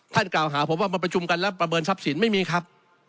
กล่าวหาผมว่ามาประชุมกันแล้วประเมินทรัพย์สินไม่มีครับ